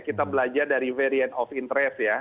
kita belajar dari variant of interest ya